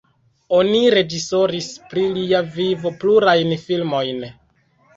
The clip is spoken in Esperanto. Oni reĝisoris pri lia vivo plurajn filmojn.